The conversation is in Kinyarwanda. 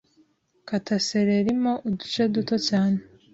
Kata céleri mo uduce duto cyane,